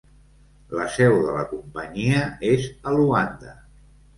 La seu de la companyia és a Luanda.